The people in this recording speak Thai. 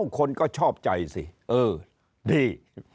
คนก็ชอบใจสิเออดี